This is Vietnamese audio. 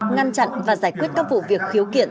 ngăn chặn và giải quyết các vụ việc khiếu kiện